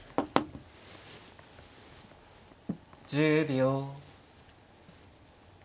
１０秒。